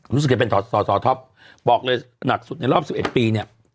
นุษย์เกียจเป็นทอดทอดทอดทอดบอกเลยหนักสุดในรอบ๑๑ปีเนี่ย